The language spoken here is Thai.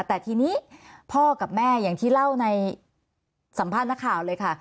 แต่ทีนี้พ่อกับแม่อย่างที่เล่าในสัมภาษณ์นักข่าวเลยค่ะ